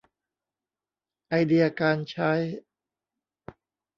ไอเดียการใช้